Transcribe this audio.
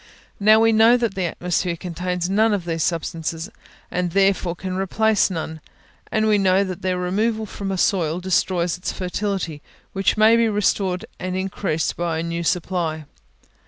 Now, we know that the atmosphere contains none of these substances, and therefore can replace none; and we know that their removal from a soil destroys its fertility, which may be restored and increased by a new supply.